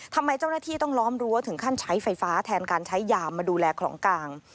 ทำไมเจ้าหน้าที่ต้องล้อมรั้วถึงขั้นใช้ไฟฟ้าแทนการใช้ยามาดูแลของกลาง